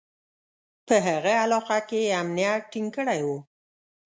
په هغه علاقه کې یې امنیت ټینګ کړی و.